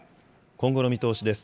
今後の見通しです。